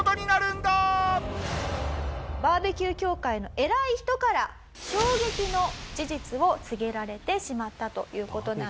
バーベキュー協会の偉い人から衝撃の事実を告げられてしまったという事なんです。